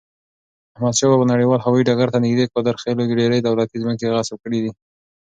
احمدشاه بابا نړیوال هوایی ډګر ته نږدې قادرخیلو ډیري دولتی مځکي غصب کړي دي.